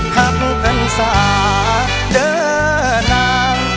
หักกันสาเดินทาง